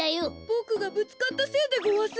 ボクがぶつかったせいでごわす。